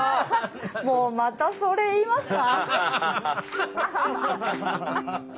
もうまたそれ言いますか？